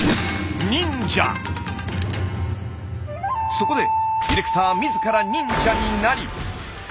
そこでディレクター自ら忍者になり。